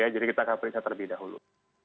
jadi kita akan periksa terlebih dahulu